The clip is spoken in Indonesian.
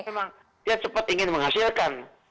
memang dia cepat ingin menghasilkan